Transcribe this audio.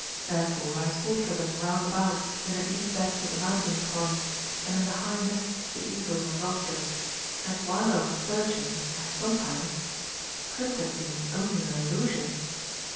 Therefore I sought for them round about, in the deep beds of the mountain torrents, and in the high nests of the eagles and vultures. And while I was searching, I sometimes could it have been only an illusion?